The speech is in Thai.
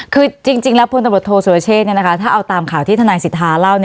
คือจริงแล้วพศสุรเชษฐ์ถ้าเอาตามข่าวที่ทนายสิทธาเล่า